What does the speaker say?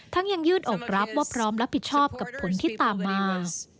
ยังยืดอกรับว่าพร้อมรับผิดชอบกับผลที่ตามมา